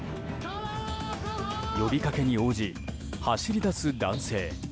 呼びかけに応じ、走り出す男性。